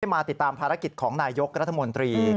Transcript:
มาติดตามภารกิจของนายยกรัฐมนตรี